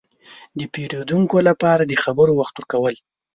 – د پېرودونکو لپاره د خبرو وخت ورکول.